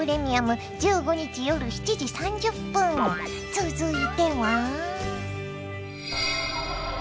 続いては。